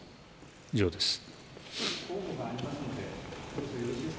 以上です。